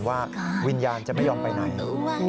ว่าวิญญาณจะไม่ยอมไปไหน